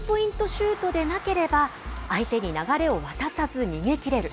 シュートでなければ、相手に流れを渡さず逃げきれず。